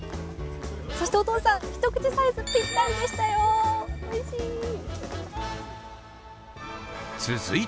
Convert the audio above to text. そしてお父さん、一口サイズ、ぴったりでしたよ、おいしい！